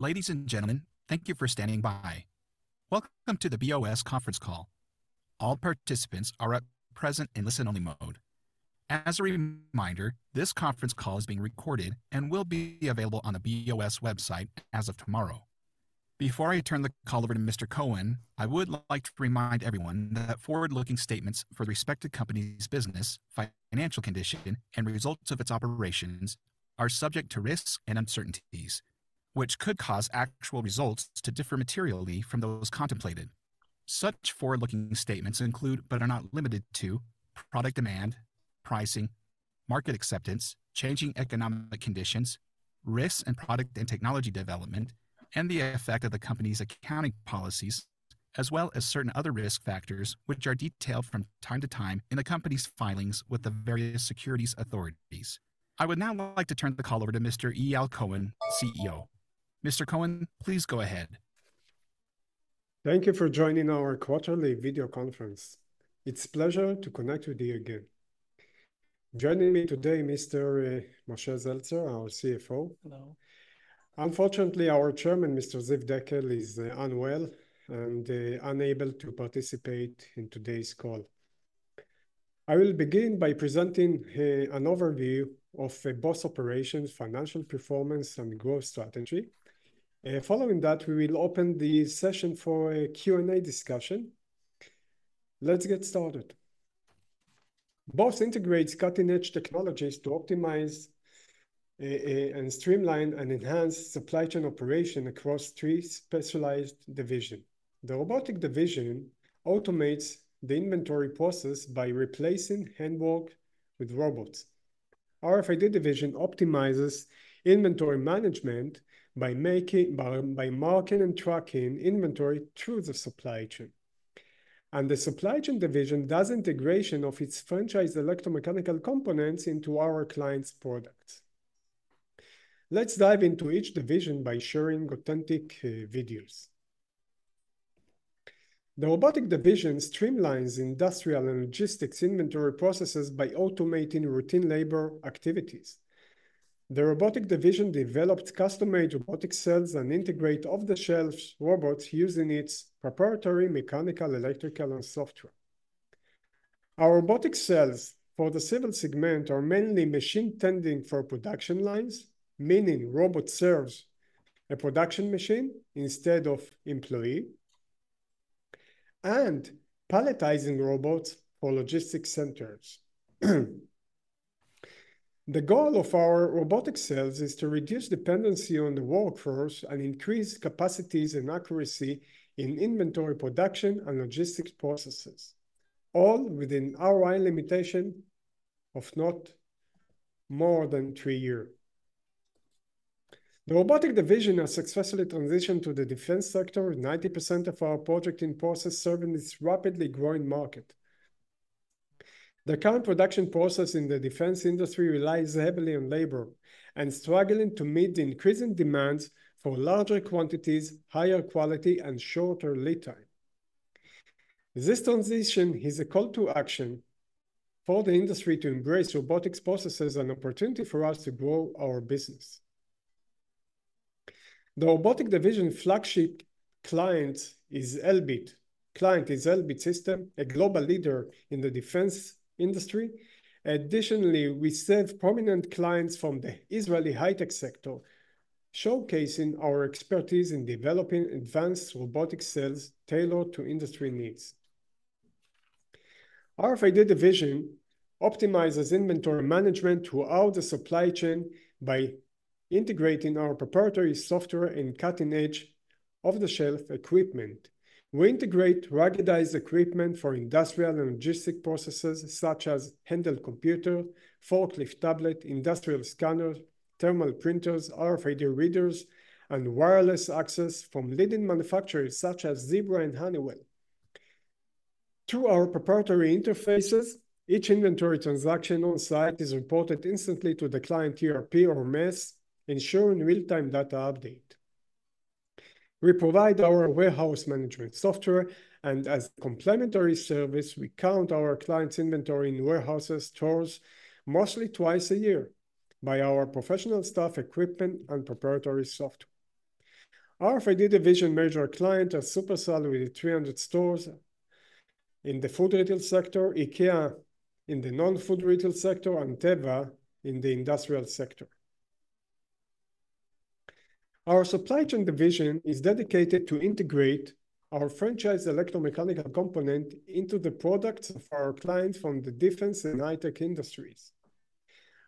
Ladies and gentlemen, thank you for standing by. Welcome to the BOS Conference Call. All participants are present in listen-only mode. As a reminder, this conference call is being recorded and will be available on the BOS website as of tomorrow. Before I turn the call over to Mr. Cohen, I would like to remind everyone that forward-looking statements for the respective company's business, financial condition, and results of its operations are subject to risks and uncertainties, which could cause actual results to differ materially from those contemplated. Such forward-looking statements include, but are not limited to, product demand, pricing, market acceptance, changing economic conditions, risks in product and technology development, and the effect of the company's accounting policies, as well as certain other risk factors which are detailed from time to time in the company's filings with the various securities authorities. I would now like to turn the call over to Mr. Eyal Cohen, CEO. Mr. Cohen, please go ahead. Thank you for joining our quarterly video conference. It's a pleasure to connect with you again. Joining me today, Mr. Moshe Zeltzer, our CFO. Hello. Unfortunately, our chairman, Mr. Ziv Dekel, is unwell and unable to participate in today's call. I will begin by presenting an overview of BOS operations, financial performance, and growth strategy. Following that, we will open the session for a Q&A discussion. Let's get started. BOS integrates cutting-edge technologies to optimize and streamline and enhance supply chain operation across three specialized divisions. The robotic division automates the inventory process by replacing handwork with robots. Our RFID division optimizes inventory management by marking and tracking inventory through the supply chain. And the supply chain division does integration of its various electromechanical components into our clients' products. Let's dive into each division by sharing authentic videos. The robotic division streamlines industrial and logistics inventory processes by automating routine labor activities. The robotic division developed custom-made robotic cells and integrates off-the-shelf robots using its proprietary mechanical, electrical, and software. Our robotic cells for the civil segment are mainly machine-tending for production lines, meaning robots serve a production machine instead of an employee, and palletizing robots for logistics centers. The goal of our robotic cells is to reduce dependency on the workforce and increase capacities and accuracy in inventory production and logistics processes, all within our limitation of not more than three years. The robotic division has successfully transitioned to the defense sector. 90% of our project in process serves this rapidly growing market. The current production process in the defense industry relies heavily on labor and is struggling to meet the increasing demands for larger quantities, higher quality, and shorter lead time. This transition is a call to action for the industry to embrace robotics processes and an opportunity for us to grow our business. The robotic division flagship client is Elbit. Client is Elbit Systems, a global leader in the defense industry. Additionally, we serve prominent clients from the Israeli high-tech sector, showcasing our expertise in developing advanced robotic cells tailored to industry needs. Our RFID division optimizes inventory management throughout the supply chain by integrating our proprietary software and cutting-edge off-the-shelf equipment. We integrate ruggedized equipment for industrial and logistic processes such as handheld computers, forklift tablets, industrial scanners, thermal printers, RFID readers, and wireless access from leading manufacturers such as Zebra and Honeywell. Through our proprietary interfaces, each inventory transaction on site is reported instantly to the client ERP or MES, ensuring real-time data update. We provide our warehouse management software, and as a complementary service, we count our clients' inventory in warehouses, stores, mostly twice a year, by our professional staff, equipment, and proprietary software. Our RFID division major clients are Shufersal with 300 stores in the food retail sector, IKEA in the non-food retail sector, and Teva in the industrial sector. Our supply chain division is dedicated to integrating our franchise electromechanical components into the products of our clients from the defense and high-tech industries.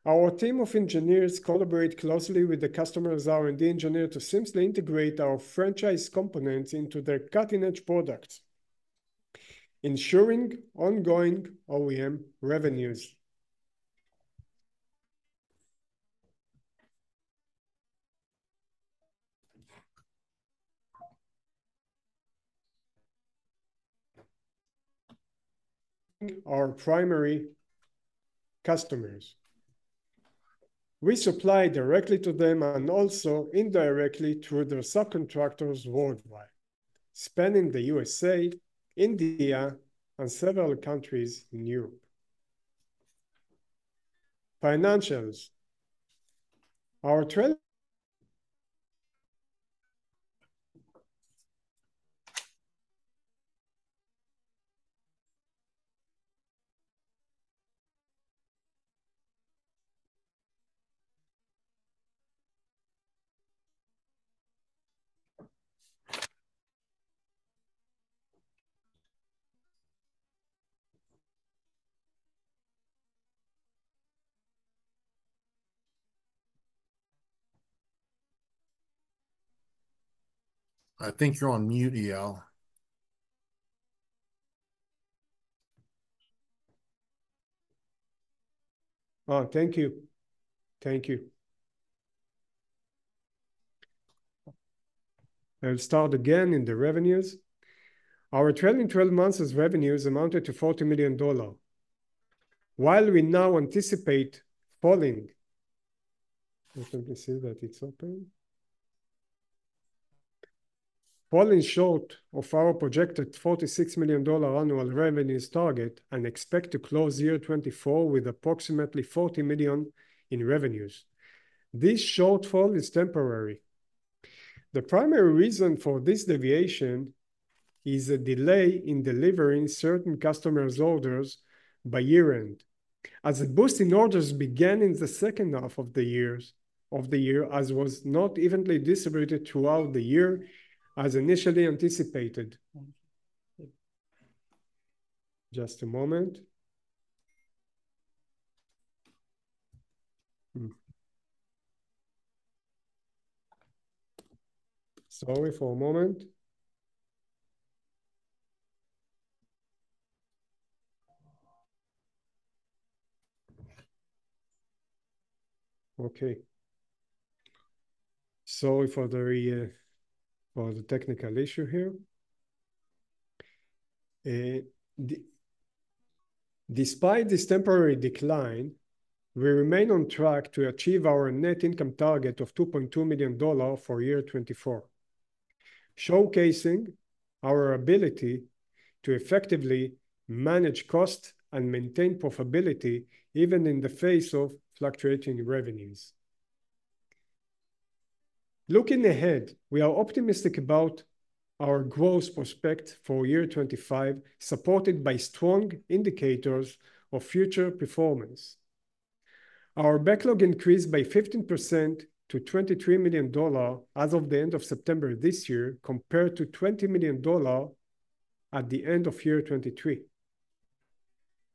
Our team of engineers collaborates closely with the customer's R&D engineer to seamlessly integrate our franchise components into their cutting-edge products, ensuring ongoing OEM revenues. Our primary customers. We supply directly to them and also indirectly through their subcontractors worldwide, spanning the USA, India, and several countries in Europe. Financials. Our. I think you're on mute, Eyal. Oh, thank you. Thank you. I'll start again in the revenues. Our trailing 12 months' revenues amounted to $40 million. While we now anticipate falling, let me see that it's open, falling short of our projected $46 million annual revenues target and expect to close year 2024 with approximately $40 million in revenues. This shortfall is temporary. The primary reason for this deviation is a delay in delivering certain customers' orders by year-end, as a boost in orders began in the second half of the year, as was not evenly distributed throughout the year as initially anticipated. Just a moment. Sorry for a moment. Okay. Sorry for the technical issue here. Despite this temporary decline, we remain on track to achieve our net income target of $2.2 million for year 2024, showcasing our ability to effectively manage costs and maintain profitability even in the face of fluctuating revenues. Looking ahead, we are optimistic about our growth prospects for 2025, supported by strong indicators of future performance. Our backlog increased by 15% to $23 million as of the end of September this year, compared to $20 million at the end of 2023.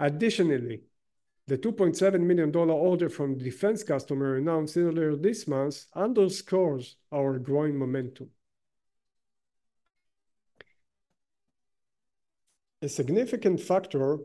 Additionally, the $2.7 million order from the defense customer announced earlier this month underscores our growing momentum. A significant factor.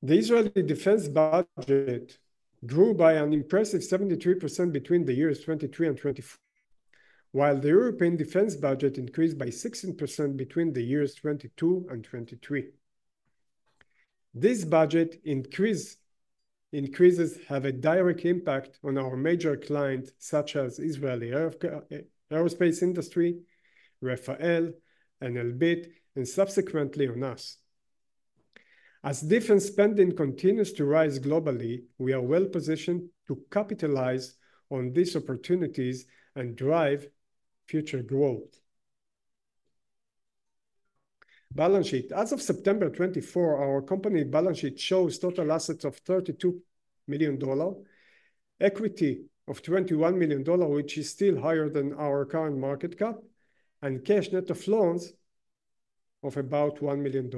The Israeli defense budget grew by an impressive 73% between the years 2023 and 2024, while the European defense budget increased by 16% between the years 2022 and 2023. These budget increases have a direct impact on our major clients, such as the Israeli aerospace industry, Rafael, and Elbit, and subsequently on us. As defense spending continues to rise globally, we are well-positioned to capitalize on these opportunities and drive future growth. Balance sheet. As of September 24, our company balance sheet shows total assets of $32 million, equity of $21 million, which is still higher than our current market cap, and cash net of loans of about $1 million.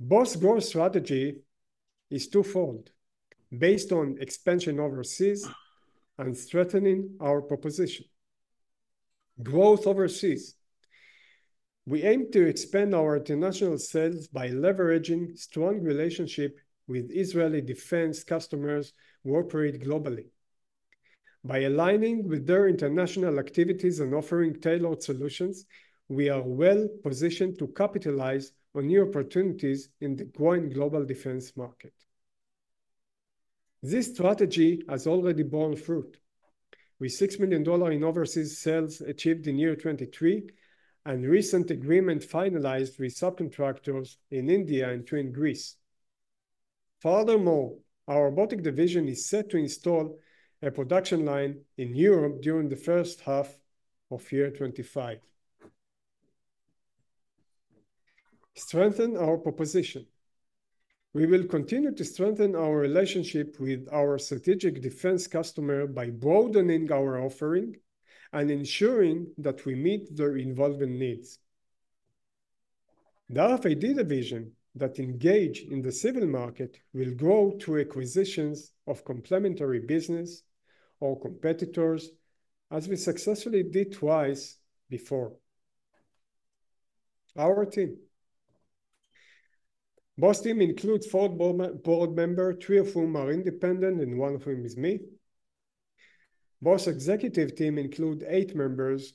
BOS growth strategy is two-fold, based on expansion overseas and strengthening our proposition. Growth overseas. We aim to expand our international sales by leveraging a strong relationship with Israeli defense customers who operate globally. By aligning with their international activities and offering tailored solutions, we are well-positioned to capitalize on new opportunities in the growing global defense market. This strategy has already borne fruit, with $6 million in overseas sales achieved in 2023 and recent agreements finalized with subcontractors in India and two in Greece. Furthermore, our robotic division is set to install a production line in Europe during the first half of 2025. Strengthen our proposition. We will continue to strengthen our relationship with our strategic defense customer by broadening our offering and ensuring that we meet their evolving needs. The RFID division that engages in the civil market will grow through acquisitions of complementary businesses or competitors, as we successfully did 2x before. Our team. BOS team includes four board members, three of whom are independent and one of whom is me. BOS executive team includes eight members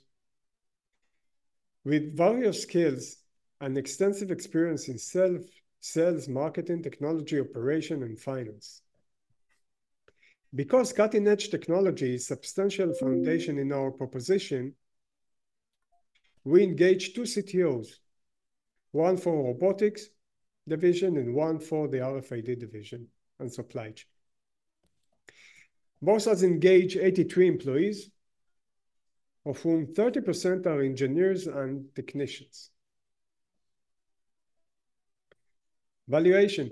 with various skills and extensive experience in sales, marketing, technology operation, and finance. Because cutting-edge technology is a substantial foundation in our proposition, we engage two CTOs, one for the robotics division and one for the RFID division and supply chain. BOS has engaged 83 employees, of whom 30% are engineers and technicians. Valuation.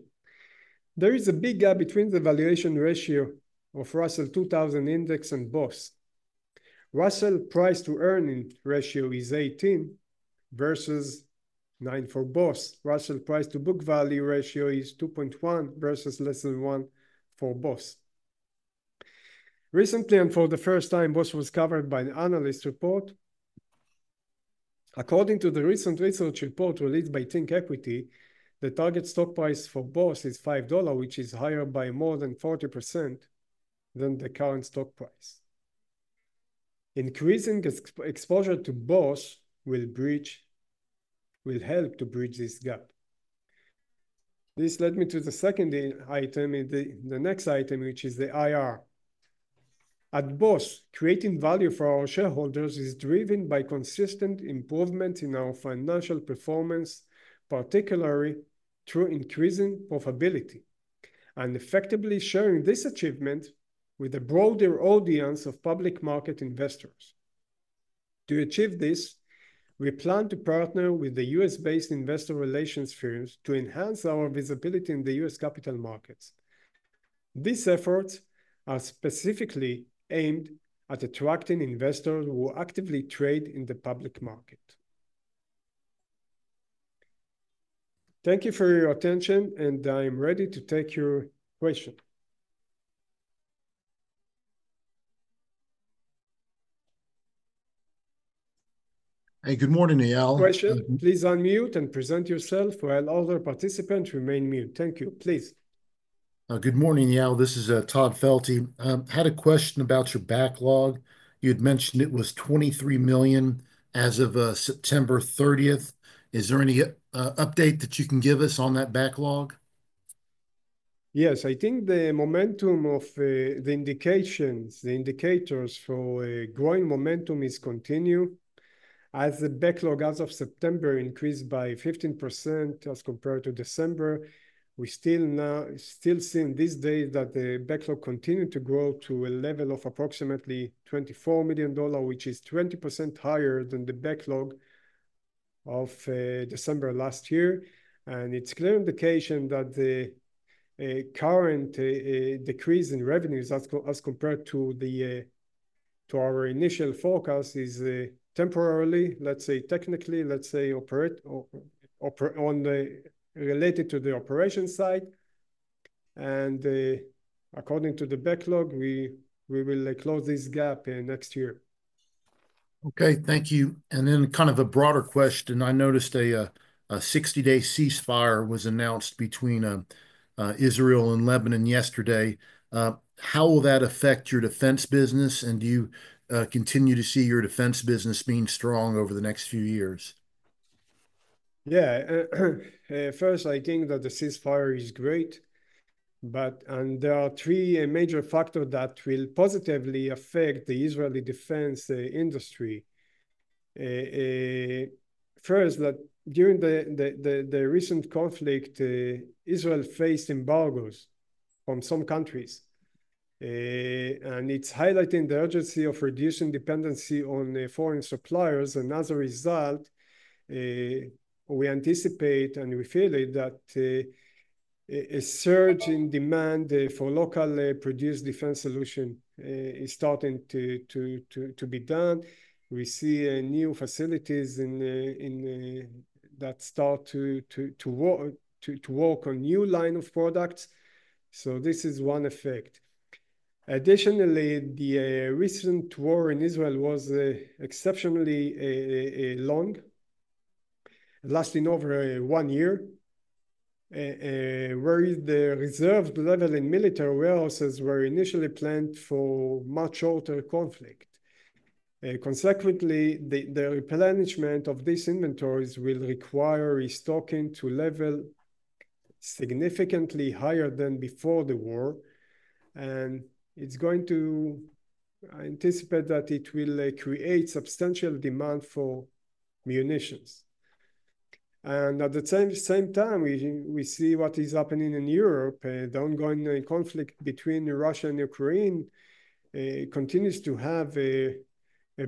There is a big gap between the valuation ratio of Russell 2000 Index and BOS Russell price-to-earnings ratio is 18 versus 9 for BOS Russell price-to-book value ratio is 2.1 versus less than 1 for BOS Recently, and for the first time, BOS was covered by an analyst report. According to the recent research report released by ThinkEquity, the target stock price for BOS is $5, which is higher by more than 40% than the current stock price. Increasing exposure to BOS will help to bridge this gap. This led me to the second item, the next item, which is the IR. At BOS, creating value for our shareholders is driven by consistent improvements in our financial performance, particularly through increasing profitability and effectively sharing this achievement with a broader audience of public market investors. To achieve this, we plan to partner with the U.S.-based investor relations firms to enhance our visibility in the U.S. capital markets. These efforts are specifically aimed at attracting investors who actively trade in the public market. Thank you for your attention, and I'm ready to take your question. Hey, good morning, Eyal. Question. Please unmute and present yourself while other participants remain mute. Thank you. Please. Good morning, Eyal. This is Todd Felte. I had a question about your backlog. You had mentioned it was $23 million as of September 30th. Is there any update that you can give us on that backlog? Yes. I think the momentum of the indicators for growing momentum is continuing. As the backlog as of September increased by 15% as compared to December, we're still seeing these days that the backlog continued to grow to a level of approximately $24 million, which is 20% higher than the backlog of December last year. And it's clear indication that the current decrease in revenues as compared to our initial forecast is temporarily, let's say, technically, let's say, related to the operations side. And according to the backlog, we will close this gap next year. Okay. Thank you. And then kind of a broader question. I noticed a 60-day ceasefire was announced between Israel and Lebanon yesterday. How will that affect your defense business, and do you continue to see your defense business being strong over the next few years? Yeah. First, I think that the ceasefire is great, and there are three major factors that will positively affect the Israeli defense industry. First, that during the recent conflict, Israel faced embargoes from some countries, and it's highlighting the urgency of reducing dependency on foreign suppliers, and as a result, we anticipate and we feel that a surge in demand for locally produced defense solutions is starting to be done. We see new facilities that start to work on new lines of products, so this is one effect. Additionally, the recent war in Israel was exceptionally long, lasting over one year, where the reserved level in military warehouses were initially planned for much shorter conflict. Consequently, the replenishment of these inventories will require restocking to levels significantly higher than before the war, and it's going to anticipate that it will create substantial demand for munitions. At the same time, we see what is happening in Europe. The ongoing conflict between Russia and Ukraine continues to have a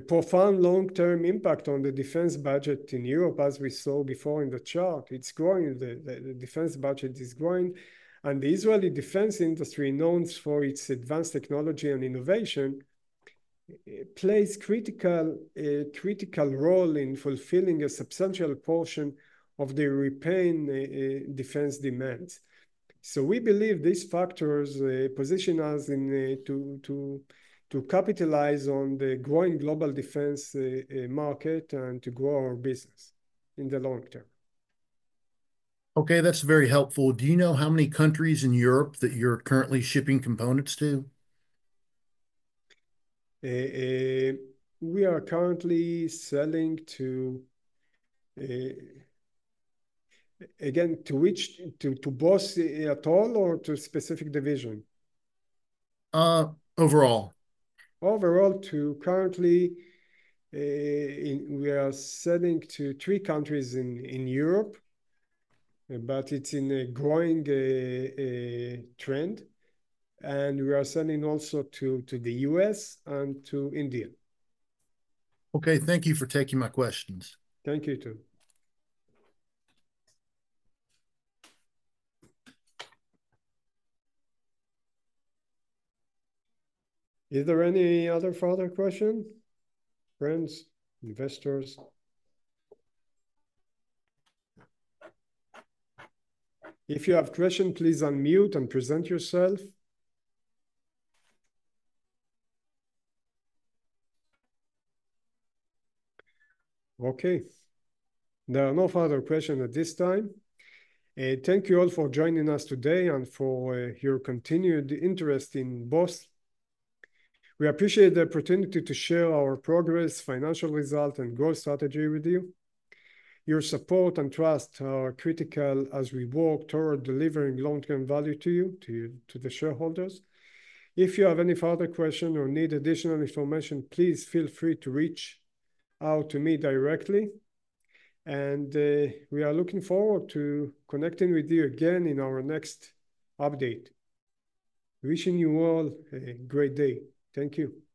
profound long-term impact on the defense budget in Europe, as we saw before in the chart. It's growing. The defense budget is growing. The Israeli defense industry, known for its advanced technology and innovation, plays a critical role in fulfilling a substantial portion of the European defense demands. We believe these factors position us to capitalize on the growing global defense market and to grow our business in the long term. Okay. That's very helpful. Do you know how many countries in Europe that you're currently shipping components to? We are currently selling to, again, to which? To BOS at all or to a specific division? Overall. Overall, currently, we are selling to three countries in Europe, but it's in a growing trend. And we are selling also to the U.S. and to India. Okay. Thank you for taking my questions. Thank you, too. Is there any other further questions? Friends, investors? If you have questions, please unmute and present yourself. Okay. There are no further questions at this time. Thank you all for joining us today and for your continued interest in BOS We appreciate the opportunity to share our progress, financial results, and growth strategy with you. Your support and trust are critical as we work toward delivering long-term value to you, to the shareholders. If you have any further questions or need additional information, please feel free to reach out to me directly. And we are looking forward to connecting with you again in our next update. Wishing you all a great day. Thank you.